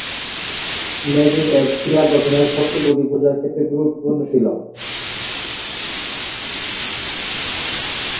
Magnetite শিলা গঠনের শর্তগুলি বোঝার ক্ষেত্রে গুরুত্বপূর্ণ ছিল।